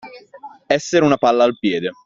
Essere una palla al piede.